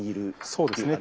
そうですね。